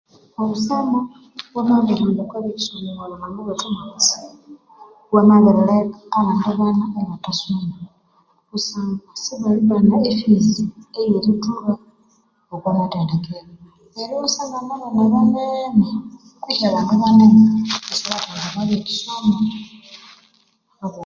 Obusama bwamabirihamba omwa bulhambo bwethu mwa kutsibu bwamabirileka abandi bana bethu ibathasoma kusangwa sibalibana ef fizi eyerithuha okwa mathendekero neryo iwasangana abana banene kwihi abandu banene isibathaghenda omwa bye kisomo habwo obu